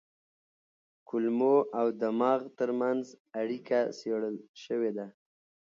کولمو او دماغ ترمنځ اړیکه څېړل شوې ده.